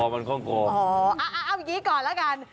อ๋อเอาอย่างนี้ก่อนแล้วกัน